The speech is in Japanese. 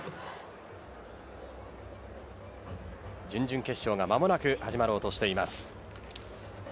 準々決勝が間もなく始まろうとしています。